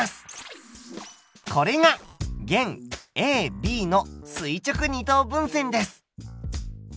これが弦ＡＢの垂直二等分線です。